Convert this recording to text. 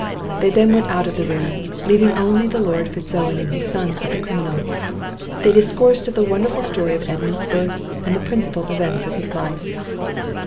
They then went out of the room, leaving only the Lord Fitz Owen and his sons with the criminal. They discoursed of the wonderful story of Edmund's birth, and the principal events of his life.